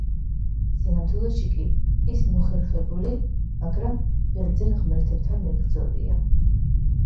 სინამდვილეში კი ის მოხერხებული, მაგრამ ბერძენ ღმერთებთან მებრძოლია.